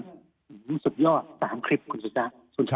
ตามสุดยอดตามคลิปคุณศูชา